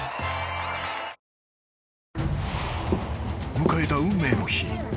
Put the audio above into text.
［迎えた運命の日］